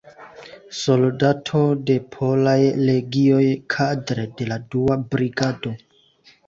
Soldato de Polaj Legioj kadre de la Dua Brigado.